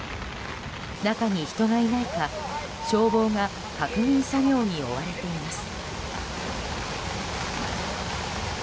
中に人がいないか消防が確認作業に追われています。